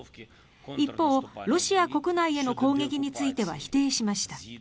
一方、ロシア国内への攻撃については否定しました。